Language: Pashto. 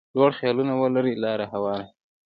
لوړ خیالونه ولري لاره هواره کړي.